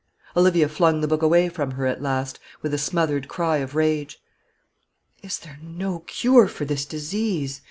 Olivia flung the book away from her at last, with a smothered cry of rage. "Is there no cure for this disease?"